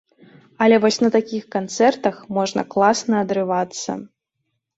Але вось на такіх канцэртах можна класна адрывацца.